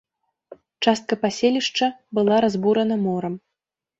Частка паселішча была разбурана морам.